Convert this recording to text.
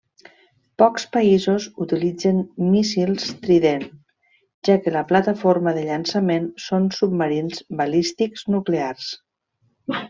Pocs països utilitzen míssils Trident, ja que la plataforma de llançament són submarins Balístics Nuclears.